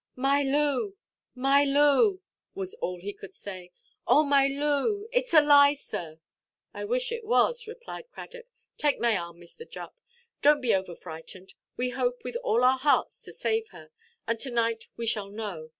"My Loo, my Loo!" was all he could say; "oh my Loo! Itʼs a lie, sir!" "I wish it was," replied Cradock; "take my arm, Mr. Jupp. Donʼt be over–frightened. We hope with all our hearts to save her, and to–night we shall know.